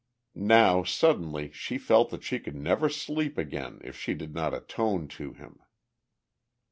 Now suddenly she felt that she could never sleep again if she did not atone to him.